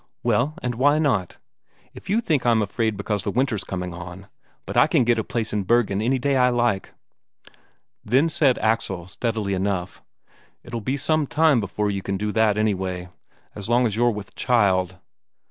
"Well, and why not? If you think I'm afraid because the winter's coming on ... But I can get a place in Bergen any day I like." Then said Axel steadily enough: "It'll be some time before you can do that, anyway. As long as you're with child."